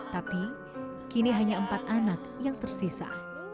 tapi kini hanya empat anak yang tersisa